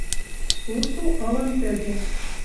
Сусу ылын тӹдӹ —